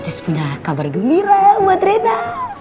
cis punya kabar gembira buat rena